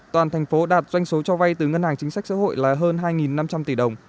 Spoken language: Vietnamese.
toàn thành phố đạt doanh số cho vay từ ngân hàng chính sách xã hội là hơn hai năm trăm linh tỷ đồng